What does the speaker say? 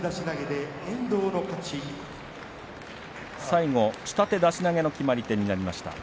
最後、下手出し投げの決まり手になりました。